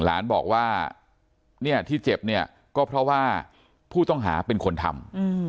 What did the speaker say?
หลานบอกว่าเนี่ยที่เจ็บเนี่ยก็เพราะว่าผู้ต้องหาเป็นคนทำ